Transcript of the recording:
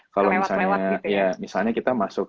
kalau misalnya kita masuk